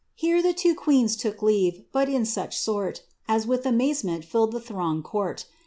SIT " Hero the two queens took leave, but in such sort, At with amazement filled the thronged court.